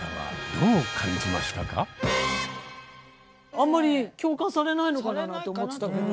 あんまり共感されないのかなと思ってたけど。